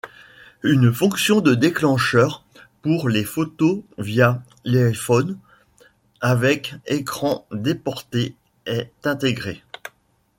Une fonction de déclencheur pour les photos via l'iPhone avec écran déporté est intégrée.